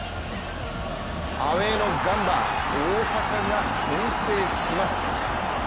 アウェーのガンバ大阪が先制します。